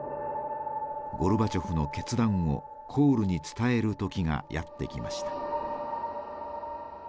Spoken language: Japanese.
ゴルバチョフの決断をコールに伝える時がやってきました。